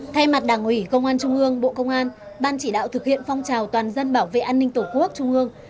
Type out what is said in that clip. thay mặt đảng ủy công an trung ương bộ công an ban chỉ đạo thực hiện phong trào toàn dân bảo vệ an ninh tổ quốc trung ương